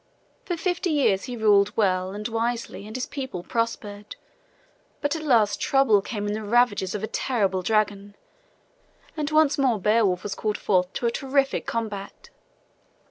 For fifty years he ruled well and wisely and his people prospered. But at last trouble came in the ravages of a terrible dragon, and once more Beowulf was called forth to a terrific combat.